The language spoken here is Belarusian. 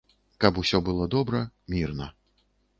Каб усё было добра, мірна.